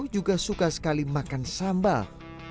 juga suka sekali makan sambal